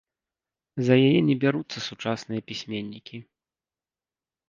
За яе не бяруцца сучасныя пісьменнікі.